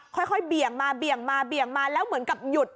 เบี่ยงมาเบี่ยงมาเบี่ยงมาแล้วเหมือนกับหยุด